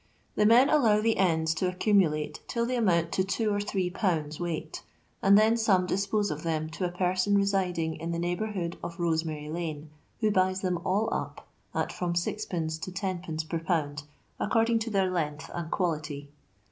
The men allow the ends to accumulate till they amount to two or three pounds weight, and then some dispose of them to a person residing in the neighbourhood of Rose mary lane, who buys them all up at from 6rf. to lOrf: per pound, according to their length and quality.